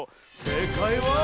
せいかいは。